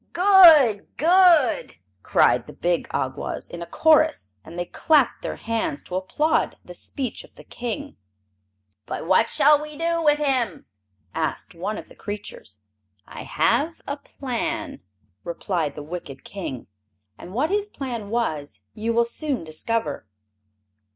"Good! good!" cried the big Awgwas, in a chorus, and they clapped their hands to applaud the speech of the King. "But what shall we do with him?" asked one of the creatures. "I have a plan," replied the wicked King; and what his plan was you will soon discover.